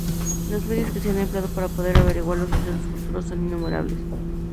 Los medios que se han empleado para poder averiguar los sucesos futuros son innumerables.